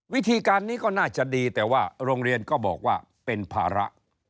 วิธีการนี้ก็น่าจะดีแต่ว่าโรงเรียนก็บอกว่าเป็นภาระ